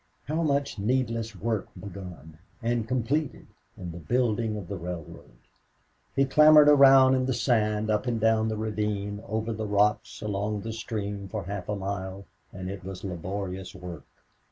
How much needless work begun and completed in the building of the railroad! He clambered around in the sand, up and down the ravine, over the rocks, along the stream for half a mile, and it was laborious work.